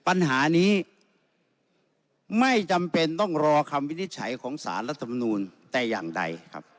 ปัญหานี้ไม่จำเป็นต้องรอคำวินิจฉัยของสารรัฐมนูลแต่อย่างใดครับ